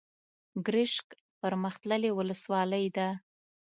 ګرشک پرمختللې ولسوالۍ ده.